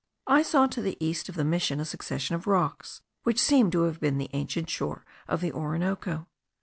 I saw to the east of the mission a succession of rocks, which seemed to have been the ancient shore of the Orinoco.